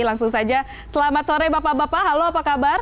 langsung saja selamat sore bapak bapak halo apa kabar